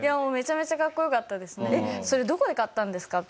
それどこで買ったんですか？